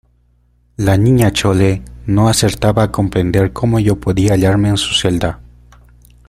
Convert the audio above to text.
la Niña Chole no acertaba a comprender cómo yo podía hallarme en su celda